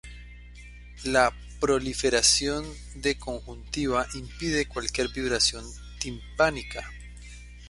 La proliferación de conjuntiva impide cualquier vibración timpánica.